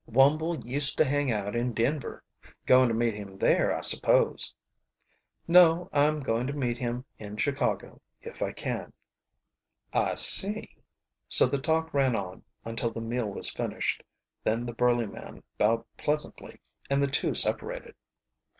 "Wumble used to hang out in Denver. Going to meet him there, I suppose." "No, I'm going to meet him in Chicago, if I can." "I see." So the talk ran on until the meal was finished. Then the burly man bowed pleasantly and the two separated.